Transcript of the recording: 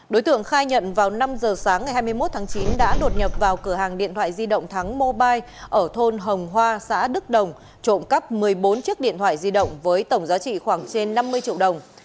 đối tượng khai nhận vào năm giờ sáng ngày hai mươi một tháng chín đã đột nhập vào cửa hàng điện thoại di động thắng mobile ở thôn hồng hoa xã đức đồng trộm cắp một mươi bốn chiếc điện thoại di động với tổng giá trị khoảng trên năm mươi triệu đồng